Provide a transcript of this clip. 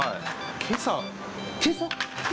けさ？